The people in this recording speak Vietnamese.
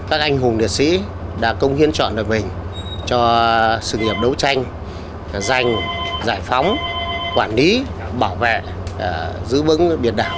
các anh hùng liệt sĩ đã công hiến chọn đời mình cho sự nghiệp đấu tranh giành giải phóng quản lý bảo vệ giữ vững biển đảo